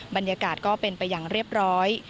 บรรยากาศก็เป็นไปอย่างเรียบร้อย